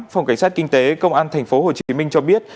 phòng cảnh sát kinh tế công an tp hcm cho biết